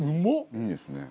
いいですね。